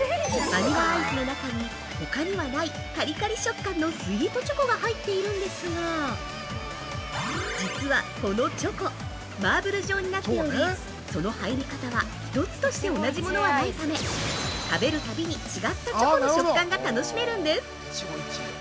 バニラアイスの中にほかにはないカリカリ食感のスイートチョコが入っているんですが実は、このチョコ、マーブル状になっており、その入り方は、一つとして同じものはないため食べるたびに違ったチョコの食感が楽しめるんです。